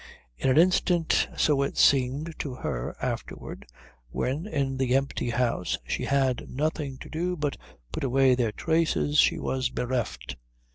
In an instant, so it seemed to her afterward when in the empty house she had nothing to do but put away their traces, she was bereft.